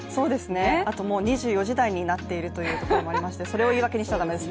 あともう２４時台になっているというところもありましてそれを言い訳にしてはだめです。